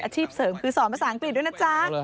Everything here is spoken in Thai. อาชีพเสริมคือสอนภาษาอังกฤษด้วยนะจ๊ะ